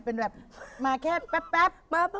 เป็นแบบมาแค่แป๊บ